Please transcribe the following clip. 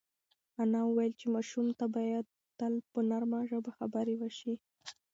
انا وویل چې ماشوم ته باید تل په نرمه ژبه خبرې وشي.